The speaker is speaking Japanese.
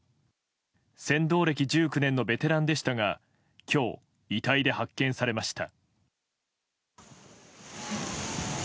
船頭歴１９年のベテランでしたが今日、遺体で発見されました。